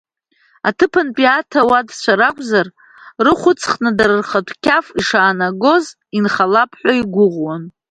Аҭыԥантәи аҭауадцәа ракәзар, рыхә ыҵхны дара рхатә қьаф ишаанагоз инхалап ҳәа игәыӷуан.